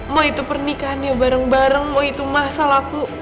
mau itu pernikahannya bareng bareng mau itu masalah aku